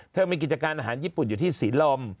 มีกิจการอาหารญี่ปุ่นอยู่ที่ศรีลม